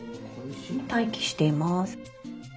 「待機しています」。